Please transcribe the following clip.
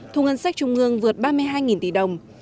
thủ ngân sách trung ương vượt ba mươi hai nghìn tỷ đồng